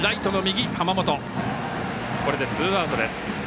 これでツーアウトです。